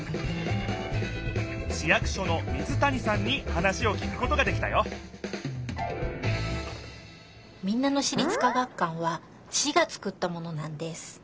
市役所の水谷さんに話をきくことができたよ民奈野市立科学館は市がつくったものなんです。